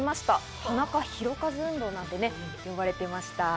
田中宏和運動なんて呼ばれていました。